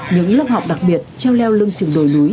những lớp học đặc biệt treo leo trường đồi núi